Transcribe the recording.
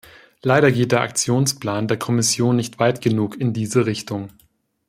Leider geht der Aktionsplan der Kommission nicht weit genug in diese Richtung.